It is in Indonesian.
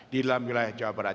di dalam wilayah jawa barat